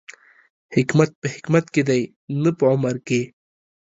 حکمت په حکمت کې دی، نه په عمر کې